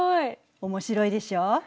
面白いでしょう。